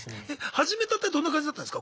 始めたてどんな感じだったんですか？